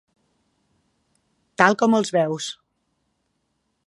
Tal com els veus.